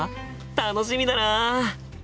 楽しみだな！